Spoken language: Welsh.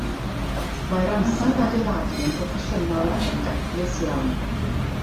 Mae'r ansawdd adeiladu yn broffesiynol ac yn daclus iawn